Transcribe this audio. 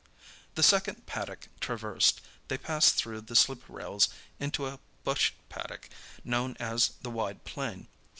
The second paddock traversed, they passed through the sliprails into a bush paddock known as the Wide Plain.